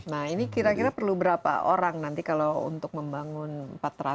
nah ini kira kira perlu berapa orang nanti kalau untuk membangun empat ratus